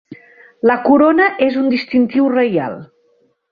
La corona és un distintiu reial.